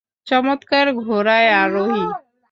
চমৎকার ঘোড়ায় আরোহী।